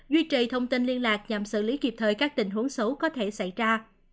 duy trì thông tin liên lạc nhằm xử lý kịp thời các tình huống xấu có thể xảy ra